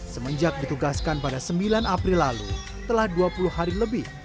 semenjak ditugaskan pada sembilan april lalu telah dua puluh hari lebih